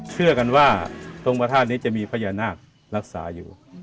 เชื่อกันว่าตรงพระธาตุนี้จะมีพญานาครักษาอยู่